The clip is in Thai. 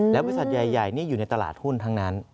และบริษัทใหญ่นี่อยู่ในตลาดหุ้นทั้งนั้น